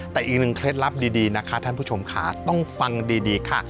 แต่อีกหนึ่งเคล็ดลับดีนะคะท่านผู้ชมค่ะต้องฟังดีค่ะ